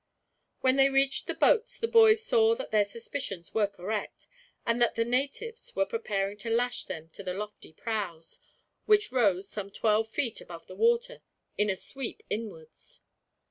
When they reached the boats, the boys saw that their suspicions were correct, and that the natives were preparing to lash them to the lofty prows; which rose, some twelve feet above the water, in a sweep inwards.